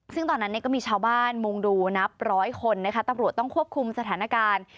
ซึ่งตอนนั้นก็มีชาวบ้านมุงดูนับร้อยคนนะคะตำรวจต้องควบคุมสถานการณ์